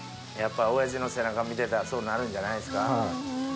やっぱ親父の背中見てたらそうなるんじゃないすか？